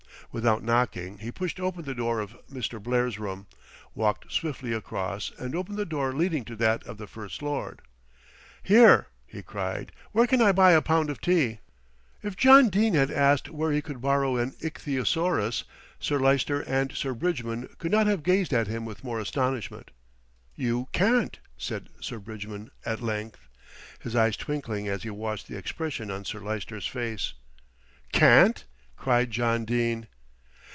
Without knocking, he pushed open the door of Mr. Blair's room, walked swiftly across and opened the door leading to that of the First Lord. "Here!" he cried, "where can I buy a pound of tea?" If John Dene had asked where he could borrow an ichthyosaurus, Sir Lyster and Sir Bridgman could not have gazed at him with more astonishment. "You can't," said Sir Bridgman, at length, his eyes twinkling as he watched the expression on Sir Lyster's face. "Can't!" cried John Dene.